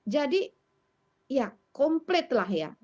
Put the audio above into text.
jadi ya komplit lah ya